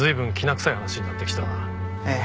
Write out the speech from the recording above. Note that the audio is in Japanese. ええ。